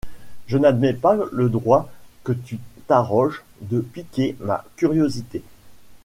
Je n'admets pas le droit que tu t'arroges de piquer ma curiosité.